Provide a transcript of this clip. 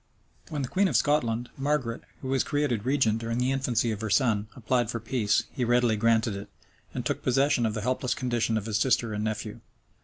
When the queen of Scotland, Margaret, who was created regent during the infancy of her son, applied for peace, he readily granted it; and took compassion of the helpless condition of his sister and nephew.